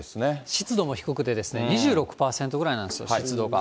湿度も低くて２６％ぐらいなんですよ、湿度が。